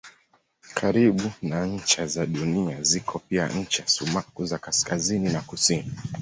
Karibu na ncha za Dunia ziko pia ncha sumaku za kaskazini na kusini.